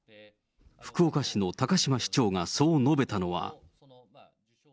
福岡市の高島市長がそう述べたのは。